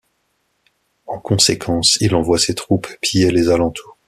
En conséquence, il envoie ses troupes piller les alentours.